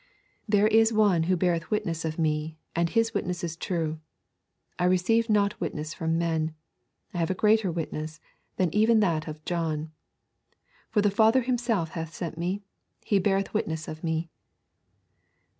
'There is One who beareth witness of Me, and His witness is true. I receive not witness from men. I have a greater witness than even that of John. For the Father Himself that hath sent Me, He beareth witness of Me.'